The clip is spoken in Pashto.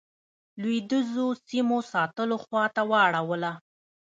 لوېدیځو سیمو ساتلو خواته واړوله.